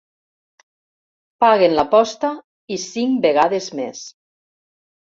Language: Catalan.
Paguen l'aposta i cinc vegades més.